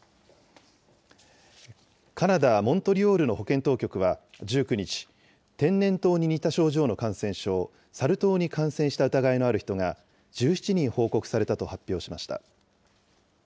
カナダ・モントリオールの保健当局は１９日、天然痘に似た症状の感染症、サル痘に感染した疑いのある人が、１７人報告されたと発表しました。